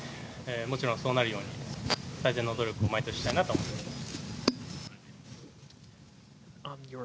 もちろんそうなるように最善の努力を毎年したいなと思っています。